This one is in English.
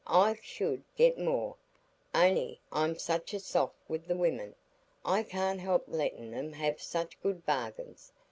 I should get more, on'y I'm such a soft wi' the women,—I can't help lettin' 'em hev such good bargains.